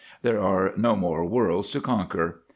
There are no more worlds to conquer.